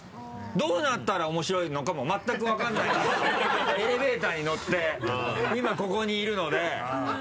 どうなったら面白いのかも全く分からないままエレベーターに乗って今ここにいるので。